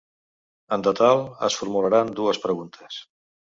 En total, es formularan dues preguntes.